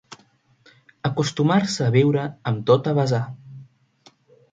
Acostumar-se a viure amb tot a vessar.